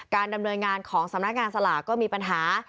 ดำเนินงานของสำนักงานสลากก็มีปัญหา